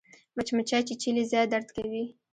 مچمچۍ چیچلی ځای درد کوي